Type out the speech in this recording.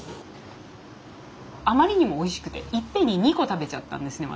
あまりにもおいしくていっぺんに２個食べちゃったんですね